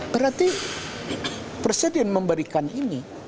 berarti presiden memberikan ini